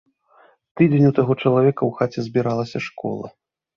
Тыдзень у таго чалавека ў хаце збіралася школа.